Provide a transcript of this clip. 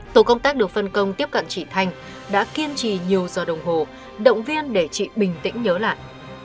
tổ công tác được phân công tiếp cận chị thanh đã kiên trì nhiều giờ đồng hồ động viên để chị bình tĩnh nhớ lại